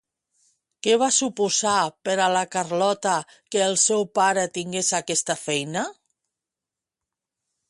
Què va suposar per a la Carlota que el seu pare tingués aquesta feina?